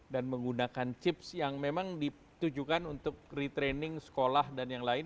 dan menggunakan chips yang memang ditujukan untuk retraining sekolah dan yang lain